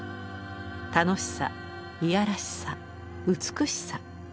楽しさいやらしさ美しさ。